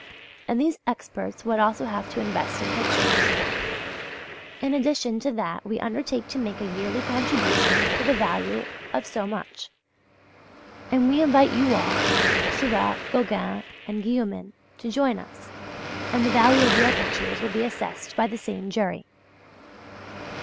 And these experts would also have to invest in pictures). In addition to that we undertake to make a yearly contribution to the value of so much. And we invite you all, Seurat, Gauguin and Guillaumin to join us, and the value of your pictures will be assessed by the same jury.